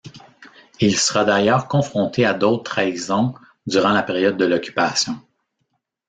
Il sera d’ailleurs confronté à d’autres trahisons durant la période de l’occupation.